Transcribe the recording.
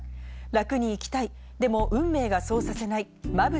楽に生きたいでも運命がそうさせない。